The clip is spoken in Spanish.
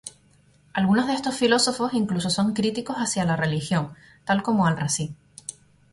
Algunos de estos filósofos incluso son críticos hacia la religión, tal como Al-Razi.